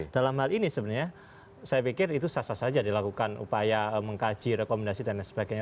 dalam hal ini sebenarnya saya pikir itu sah sah saja dilakukan upaya mengkaji rekomendasi dan lain sebagainya